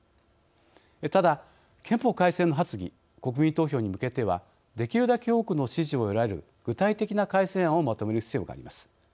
ただ、憲法改正の発議国民投票に向けてはできるだけ多くの支持を得られる具体的な改正案をまとめる必要があります。